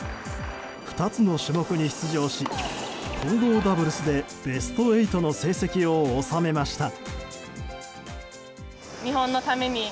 ２つの種目に出場し混合ダブルスでベスト８の成績を収めました。